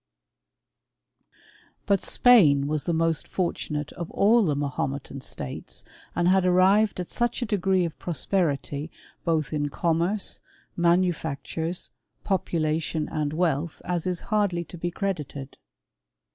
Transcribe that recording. But Spain was the most fortunate of all the Ma hometan states, and had arrived at such a degree of prosperity both in commerce, manufactures, popula tion, and wealth, as is hardly to be credited.